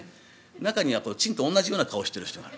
中にはチンとおんなじような顔してる人がいる。